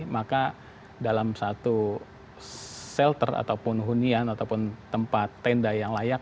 maka dalam satu shelter ataupun hunian ataupun tempat tenda yang layak